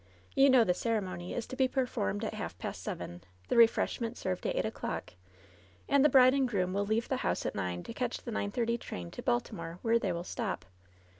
You know the ceremony is to be performed at half past seven, the refreshments served at eight o'clock, and the bride and groom will leave the house at nine to catch the nine thirty train to Baltimore, where they will stop.